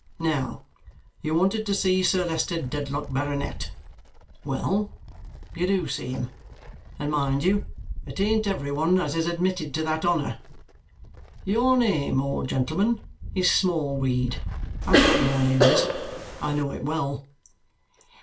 Now, you wanted to see Sir Leicester Dedlock, Baronet. Well! You do see him, and mind you, it ain't every one as is admitted to that honour. Your name, old gentleman, is Smallweed; that's what your name is; I know it well."